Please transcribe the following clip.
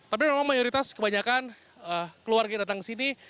tapi memang mayoritas kebanyakan keluarga yang datang ke sini